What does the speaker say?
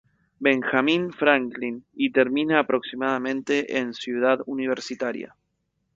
Benjamín Franklin y termina aproximadamente en Ciudad Universitaria.